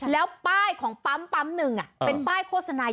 แล้วป้ายของปั๊มหนึ่งเป็นป้ายโฆษณา